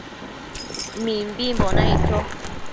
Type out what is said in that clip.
Mimbimbo naic cho